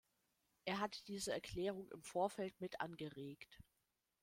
Er hatte diese Erklärung im Vorfeld mit angeregt.